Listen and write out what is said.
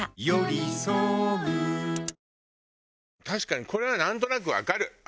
確かにこれはなんとなくわかる。